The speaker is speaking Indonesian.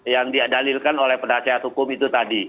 yang didalilkan oleh pendakwaan hukum itu tadi